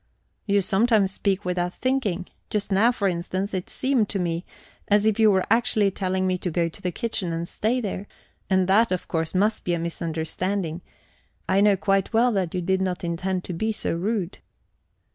"You sometimes speak without thinking. Just now, for instance, it seemed to me as if you were actually telling me to go to the kitchen and stay there; and that, of course, must be a misunderstanding I know quite well that you did not intend to be so rude."